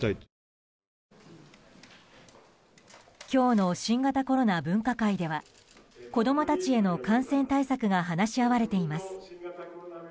今日の新型コロナ分科会では子供たちへの感染対策が話し合われています。